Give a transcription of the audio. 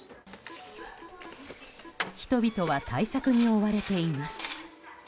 人々は対策に追われています。